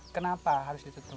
kenapa harus ditutup